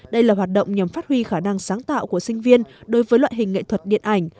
đây là hoạt động nhằm phát huy khả năng sáng tạo của sinh viên đối với loại hình nghệ thuật điện ảnh